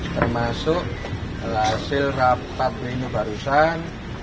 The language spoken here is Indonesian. termasuk hasil rapat ini barusan